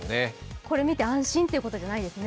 これ見て安心ということではないですね。